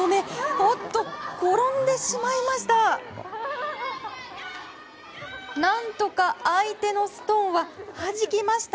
おっと転んでしまいました！